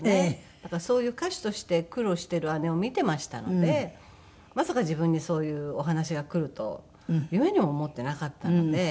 だからそういう歌手として苦労している姉を見ていましたのでまさか自分にそういうお話が来ると夢にも思っていなかったので。